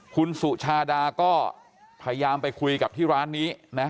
คุณสุชาดาก็พยายามไปคุยกับที่ร้านนี้นะ